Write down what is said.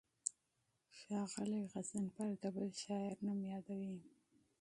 ښاغلی غضنفر د بل شاعر نوم یادوي.